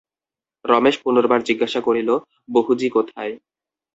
রমেশ পুনর্বার জিজ্ঞাসা করিল, বহুজি কোথায়?